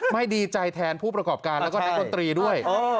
ไม่ดีใจแทนผู้ประกอบการแล้วก็นักดนตรีด้วย